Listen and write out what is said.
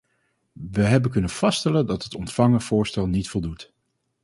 We hebben kunnen vaststellen dat het ontvangen voorstel niet voldoet.